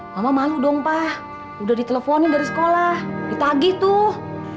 mama malu dong pak udah diteleponin dari sekolah ditagi tuh